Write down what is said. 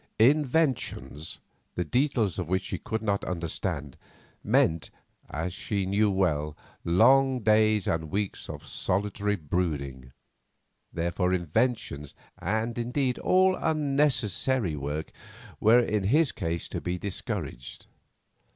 Inventions, the details of which she could not understand, meant, as she knew well, long days and weeks of solitary brooding; therefore inventions, and, indeed, all unnecessary work, were in his case to be discouraged.